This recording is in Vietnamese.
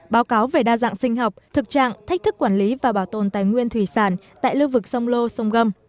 báo cáo về đa dạng sinh học thực trạng thách thức quản lý và bảo tồn tài nguyên thủy sản tại lưu vực sông lô sông gâm